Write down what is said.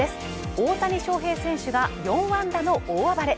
大谷翔平選手が４安打の大暴れ。